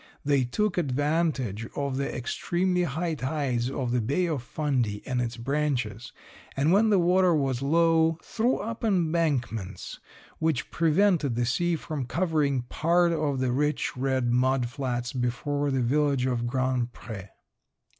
They took advantage of the extremely high tides of the Bay of Fundy and its branches, and when the water was low threw up embankments which prevented the sea from covering part of the rich red mud flats before the village of Grand Pre.